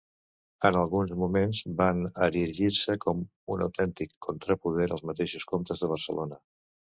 En alguns moments van erigir-se com un autèntic contrapoder als mateixos comtes de Barcelona.